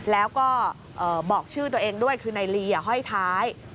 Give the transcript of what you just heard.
แล้วก็บอกชื่อตัวเองด้วยคือนายลีห้อยท้าย